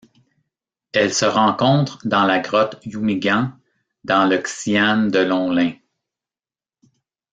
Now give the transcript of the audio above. Elle se rencontre dans la grotte Yumigan dans le xian de Longlin.